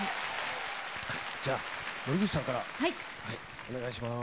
じゃあ森口さんからお願いします。